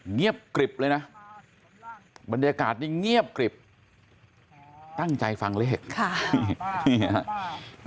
เงียบกริบเลยนะบรรยากาศนี้เงียบกริบตั้งใจฟังเลขค่ะนี่ฮะ